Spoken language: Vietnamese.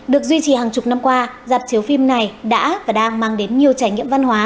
được duy trì hàng chục năm qua dạp chiếu phim này đã và đang mang đến nhiều trải nghiệm văn hóa